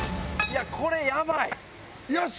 これやばい！よし！